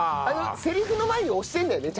セリフの前に押してるんだよね？